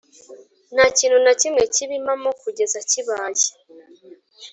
ntakintu na kimwe kiba impamo kugeza kibaye